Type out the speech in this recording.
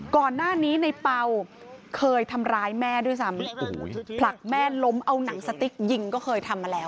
ก่อนหน้านี้ในเป่าเคยทำร้ายแม่ด้วยซ้ำผลักแม่ล้มเอาหนังสติ๊กยิงก็เคยทำมาแล้ว